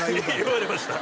言われました？